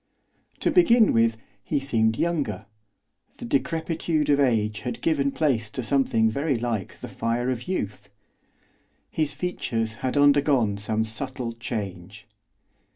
To begin with, he seemed younger, the decrepitude of age had given place to something very like the fire of youth. His features had undergone some subtle change.